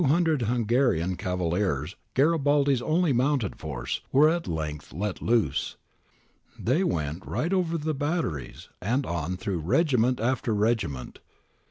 The 200 Hungarian cavaliers, Garibaldi's only mounted force, were at length let loose. They went right over the batteries and on through regiment after regiment.